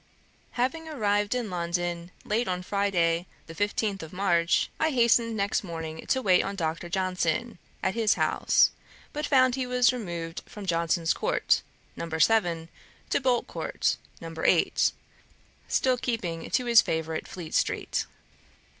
Having arrived in London late on Friday, the 15th of March, I hastened next morning to wait on Dr. Johnson, at his house; but found he was removed from Johnson's court, No. 7, to Boltcourt, No. 8, still keeping to his favourite Fleet street.